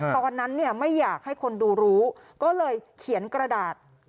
ตอนนั้นเนี่ยไม่อยากให้คนดูรู้ก็เลยเขียนกระดาษ